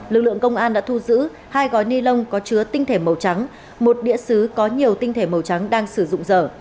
lực lượng công an đã thu giữ hai gói ni lông có chứa tinh thể màu trắng một đĩa xứ có nhiều tinh thể màu trắng đang sử dụng dở